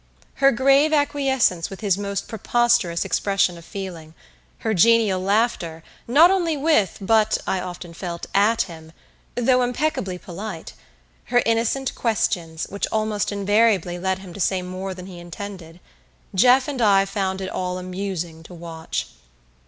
Her grave acquiescence with his most preposterous expression of feeling; her genial laughter, not only with, but, I often felt, at him though impeccably polite; her innocent questions, which almost invariably led him to say more than he intended Jeff and I found it all amusing to watch.